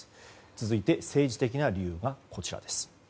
続いて政治的な理由はこちらです。